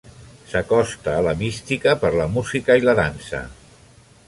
S'acosta a la mística per la música i la dansa.